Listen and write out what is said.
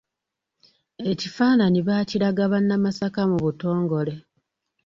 Ekifaananyi baakiraga bannamasaka mu butongole.